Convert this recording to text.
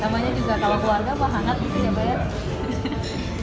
namanya juga kalau keluarga pak anak itu ya pak ya